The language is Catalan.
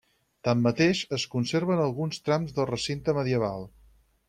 Tanmateix, es conserven alguns trams del recinte medieval.